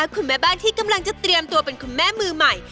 คุณแม่บ้านที่กำลังจะเตรียมตัวเป็นคุณแม่มือใหม่